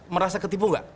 merasa ketipu enggak